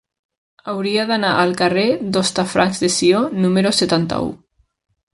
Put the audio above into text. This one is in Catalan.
Hauria d'anar al carrer d'Hostafrancs de Sió número setanta-u.